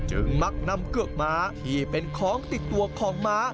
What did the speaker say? มักนำเกือกม้าที่เป็นของติดตัวของม้า